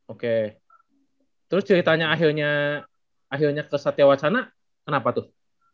oke terus ceritanya akhirnya akhirnya kesatuan sana kenapa tuh